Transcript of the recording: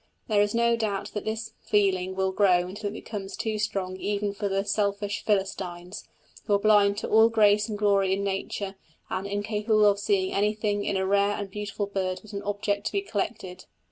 There is no doubt that this feeling will grow until it becomes too strong even for the selfish Philistines, who are blind to all grace and glory in nature, and incapable of seeing anything in a rare and beautiful bird but an object to be collected.